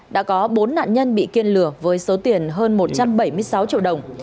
đã có bốn nạn nhân bị kiên lừa với số tiền hơn một trăm bảy mươi sáu triệu đồng